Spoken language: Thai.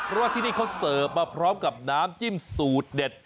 เพราะว่าที่นี่เขาเสิร์ฟมาพร้อมกับน้ำจิ้มสูตรเด็ด